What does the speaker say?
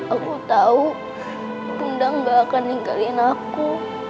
aku tau bunda gak akan ninggalin aku